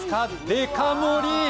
デカ盛り。